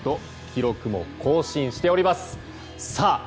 記録も更新しております。